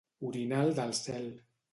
Orinal del cel.